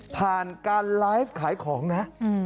ผ่านการไลฟ์ขายของนะ